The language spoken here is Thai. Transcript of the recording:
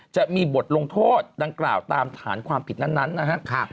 จะมีบทลงโทษดังกล่าวตามฐานความผิดนั้นนะครับ